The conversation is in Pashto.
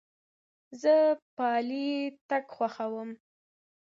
زه پلي تګ خوښوم.